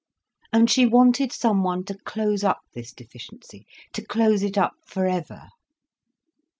And she wanted someone to close up this deficiency, to close it up for ever.